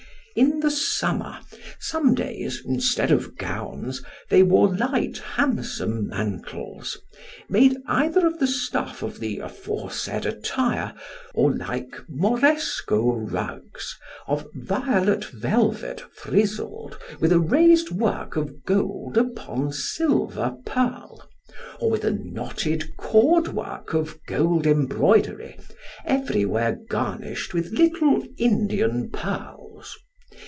In the summer some days instead of gowns they wore light handsome mantles, made either of the stuff of the aforesaid attire, or like Moresco rugs, of violet velvet frizzled, with a raised work of gold upon silver purl, or with a knotted cord work of gold embroidery, everywhere garnished with little Indian pearls.